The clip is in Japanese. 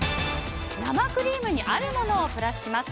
生クリームにあるものをプラスします。